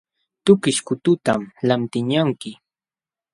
Tukish kutuntam lantiqñanki.